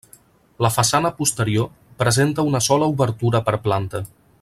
La façana posterior presenta una sola obertura per planta.